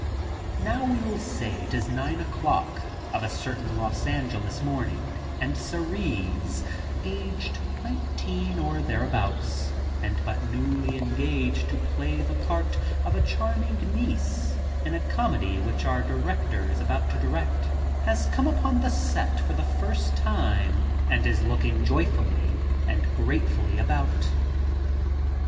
Now we will say it is nine o'clock of a certain Los Angeles morning, and Cerise, aged nineteen or thereabouts and but newly engaged to play the part of a charming niece in a comedy which our director is about to direct, has come upon the set for the first time and is looking joyfully and gratefully about.